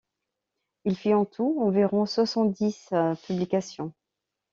Il fit en tout environ soixante-dix publications.